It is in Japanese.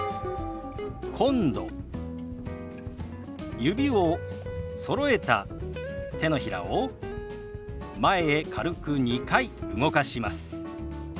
指をそろえた手のひらを前へ軽く２回動かします。